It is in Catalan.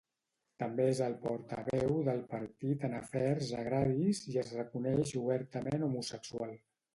També és el portaveu del partit en afers agraris i es reconeix obertament homosexual.